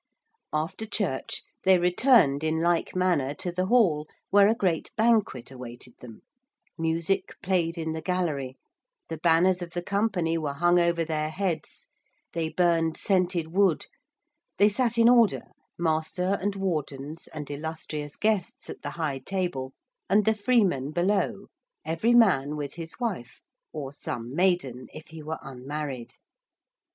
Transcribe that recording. After church they returned in like manner to the Hall, where a great banquet awaited them, music played in the gallery: the banners of the Company were hung over their heads: they burned scented wood: they sat in order, Master and Wardens and illustrious guests at the high table: and the freemen below, every man with his wife or some maiden if he were unmarried.